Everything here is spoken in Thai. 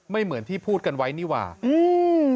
เหมือนที่พูดกันไว้นี่ว่าอืม